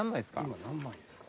今何枚ですか？